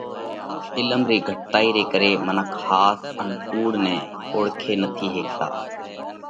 عِلم رِي گھٽتائِي ري ڪري منک ۿاس ان ڪُوڙ نئہ اوۯکي نٿِي هيڪتا۔